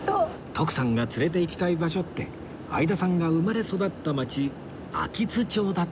徳さんが連れていきたい場所って相田さんが生まれ育った街秋津町だったんですね